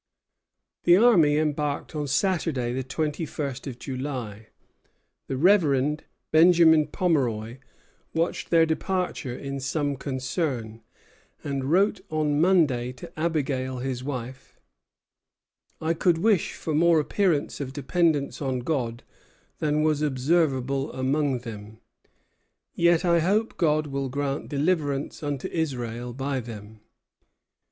The army embarked on Saturday, the twenty first of July. The Reverend Benjamin Pomeroy watched their departure in some concern, and wrote on Monday to Abigail, his wife: "I could wish for more appearance of dependence on God than was observable among them; yet I hope God will grant deliverance unto Israel by them."